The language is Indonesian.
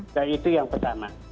dan itu yang pertama